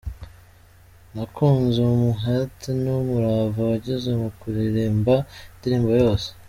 Nakunze umuhate n’umurava wagize mu kuririmba indirimbo yose.